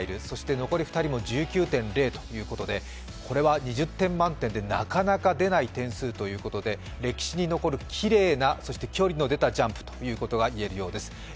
そして残り２人も１９．０ということでこれは２０点満点でなかなか出ない点数ということで歴史に残るきれいなそして距離の出たジャンプといえそうですね。